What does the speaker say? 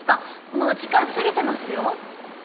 もう時間過ぎてますよ。